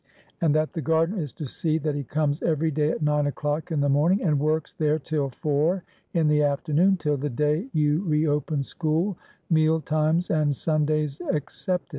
And that the gardener is to see that he comes every day at nine o'clock in the morning, and works there till four in the afternoon, till the day you reopen school, meal times and Sundays excepted.